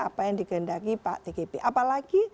apa yang dikendaki pak tgp apalagi